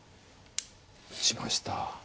打ちました。